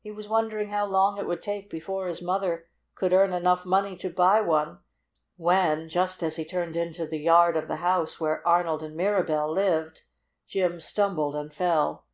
He was wondering how long it would be before his mother could earn enough money to buy one when, just as he turned into the yard of the house where Arnold and Mirabell lived, Jim stumbled and fell.